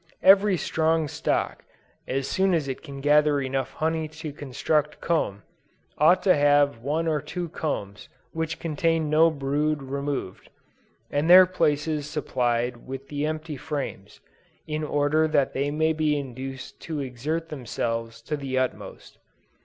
Every strong stock, as soon as it can gather enough honey to construct comb, ought to have one or two combs which contain no brood removed, and their places supplied with empty frames, in order that they may be induced to exert themselves to the utmost.